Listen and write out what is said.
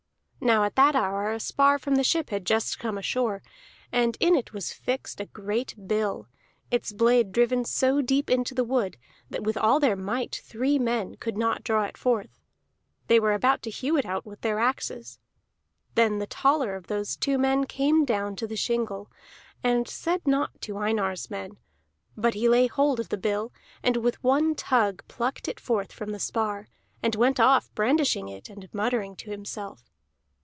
Now at that hour a spar from the ship had just come ashore, and in it was fixed a great bill, its blade driven so deep into the wood that with all their might three men could not draw it forth; they were about to hew it out with axes. Then the taller of those two men came down to the shingle, and said naught to Einar's men; but he laid hold of the bill and with one tug plucked it forth from the spar, and went off brandishing it and muttering to himself.